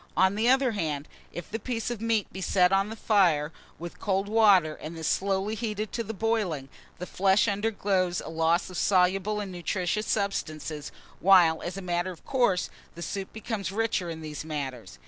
On the other hand, if the piece of meat be set on the fire with cold water, and this slowly heated to boiling, the flesh undergoes a loss of soluble and nutritious substances, while, as a matter of course, the soup becomes richer in these matters.